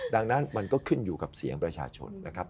ดังนั้นมันก็ขึ้นอยู่กับเสียงประชาชนนะครับ